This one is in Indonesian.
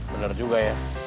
bener juga ya